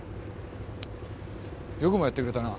よくもやってくれたな。